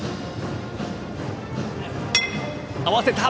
合わせた！